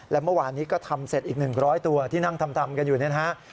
และเมื่อวานนี้ก็ทำเสร็จอีก๑๐๐ตัวที่นั่งทำกันอยู่เนี่ยนะฮะ